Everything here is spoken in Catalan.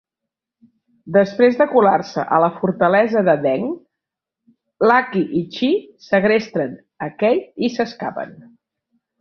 Després de colar-se a la fortalesa de Deng, Lucky i Chi segresten a Kate i s'escapen.